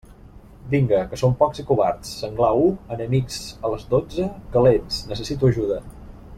Vinga, que són pocs i covards, «Senglar u, enemics a les dotze, calents, necessito ajuda».